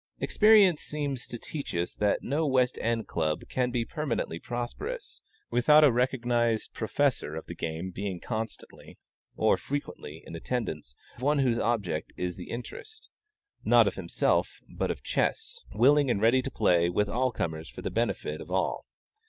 Experience seems to teach us that no West End Club can be permanently prosperous, without a recognized professor of the game being constantly, or frequently, in attendance; one whose object is the interest, not of himself, but of chess, willing and ready to play with all comers for the benefit of all.